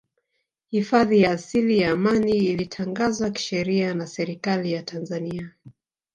Hifadhi ya asili ya Amani ilitangazwa kisheria na Serikali ya Tanzania